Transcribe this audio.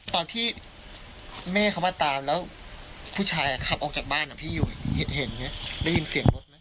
ตอนที่แม่เขามาตามแล้วผู้ชายขับออกจากบ้านพี่อยู่เห็นได้ยินเสียงรถไหม